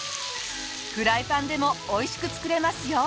フライパンでもおいしく作れますよ。